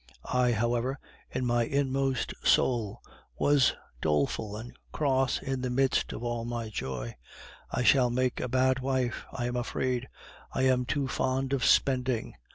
I, however, in my inmost soul, was doleful and cross in the midst of all my joy. I shall make a bad wife, I am afraid, I am too fond of spending.